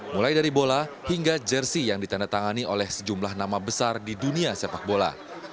mulai dari bola hingga jersi yang ditandatangani oleh sejumlah nama besar di dunia sepak bola